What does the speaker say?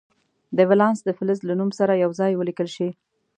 دا ولانس د فلز له نوم سره یو ځای ولیکل شي.